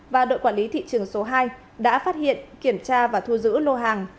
và đội quản lý thị trường số hai đã phát hiện kiểm tra và thu giữ lô hàng